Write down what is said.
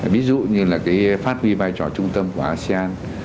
ví dụ như là cái phát huy vai trò trung tâm của asean